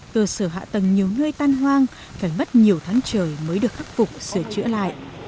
cơ sở hạ tầng nhiều nơi tan hoang phải mất nhiều tháng trời mới được khắc phục sửa chữa lại